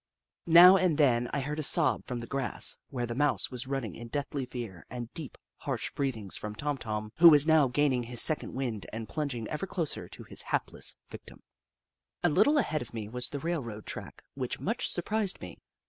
Now and then I heard a sob from the grass, where the Mouse was rinining in deathly fear, and deep, harsh breathings from Tom Tom, who was now gaining his second wind and plunging ever closer to his hapless victim. A little ahead was the railroad track, which much surprised me.